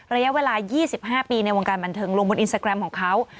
ระยะเวลา๒๕ปีในวงการบันเทิงลงบนอินสตาแกรมของเขา